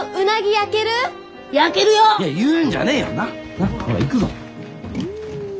なあほら行くぞ。